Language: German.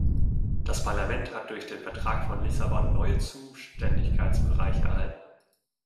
Das Parlament hat durch den Vertrag von Lissabon neue Zuständigkeitsbereiche erhalten.